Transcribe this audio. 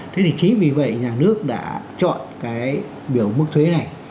thế thì chính vì vậy nhà nước đã chọn cái biểu mức thuế này